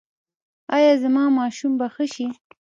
ایا زما ماشوم به ښه شي؟